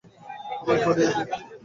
আমি পরিয়ে দিই।